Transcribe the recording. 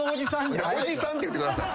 おじさんって言ってください。